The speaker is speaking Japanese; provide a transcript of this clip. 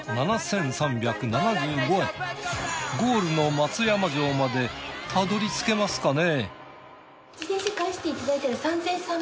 ゴールの松山城までたどりつけますかね？